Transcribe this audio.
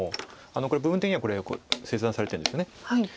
これ部分的には切断されてるんですよね。